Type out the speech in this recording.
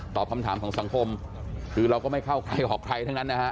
คำถามของสังคมคือเราก็ไม่เข้าใครออกใครทั้งนั้นนะฮะ